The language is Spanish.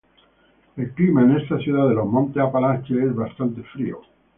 El clima en esta ciudad de los Montes Apalaches es bastante frío.